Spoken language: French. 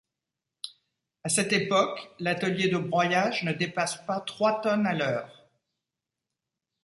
À cette époque, l’atelier de broyage ne dépasse pas trois tonnes à l’heure.